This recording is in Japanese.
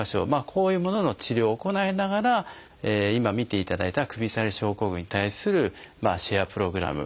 こういうものの治療を行いながら今見ていただいた首下がり症候群に対するシェアプログラム